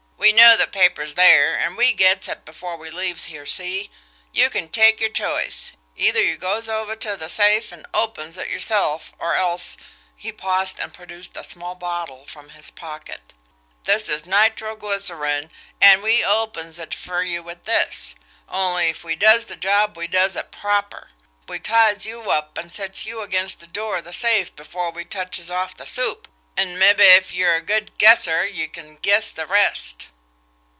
"We know the paper's there, an' we gets it before we leaves here see? You can take yer choice. Either you goes over ter the safe an' opens it yerself, or else" he paused and produced a small bottle from his pocket "this is nitro glycerin', an' we opens it fer you with this. Only if we does the job we does it proper. We ties you up and sets you against the door of the safe before we touches off the 'soup,' an' mabbe if yer a good guesser you can guess the rest."